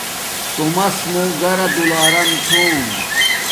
تومس مو گھرا دولارم چھوم